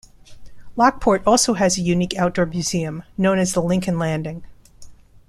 Lockport also has a unique outdoor museum known as the Lincoln Landing.